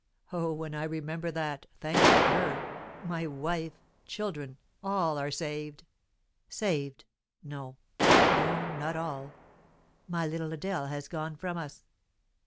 Oh, when I remember that, thanks to her, my wife, children, all, are saved! saved no, no, not all, my little Adèle has gone from us!